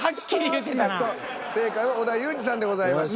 正解は織田裕二さんでございました。